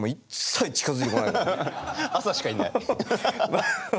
朝しかいない。